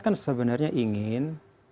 kan sebenarnya ingin